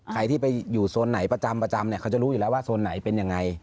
ใครที่ไปอยู่โซนไหนประจำเนี่ยเขาจะรู้อยู่แล้วว่าโซนไหนเป็นยังไง